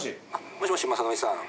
もしもし雅紀さん。